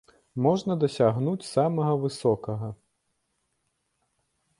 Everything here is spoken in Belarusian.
Можна дасягнуць самага высокага!